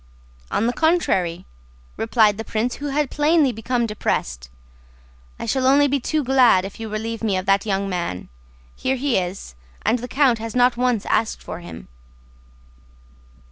"On the contrary," replied the prince, who had plainly become depressed, "I shall be only too glad if you relieve me of that young man.... Here he is, and the count has not once asked for him."